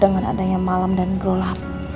dengan adanya malam dan gerolap